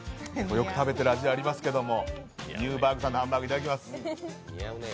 よく食べる味でありますけどニューバーグさんのハンバーグいただきます。